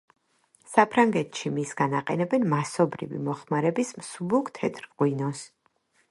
საფრანგეთში მისგან აყენებენ მასობრივი მოხმარების მსუბუქ თეთრ ღვინოს.